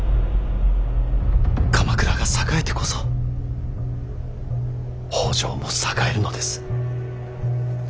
鎌倉が栄えてこそ北条も栄えるのです。